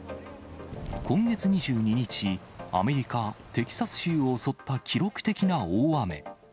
今月２２日、アメリカ・テキサス州を襲った記録的な大雨。